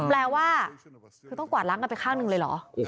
แปลว่าคือต้องกวาดล้างกันไปข้างหนึ่งเลยเหรอ